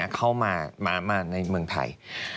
เข้ามาในเมืองไทย